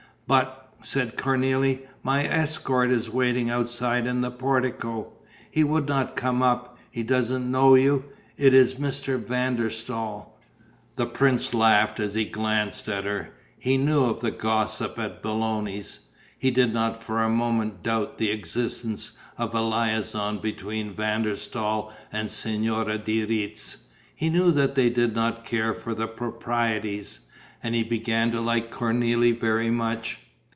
"But," said Cornélie, "my escort is waiting outside in the portico. He would not come up: he doesn't know you. It is Mr. van der Staal." The prince laughed as he glanced at her. He knew of the gossip at Belloni's. He did not for a moment doubt the existence of a liaison between Van der Staal and Signora de Retz. He knew that they did not care for the proprieties. And he began to like Cornélie very much.